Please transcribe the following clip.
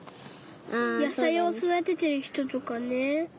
野さいをそだててるひととかね。